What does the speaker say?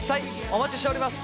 お待ちしております。